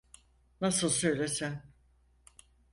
Nasıl söylesem…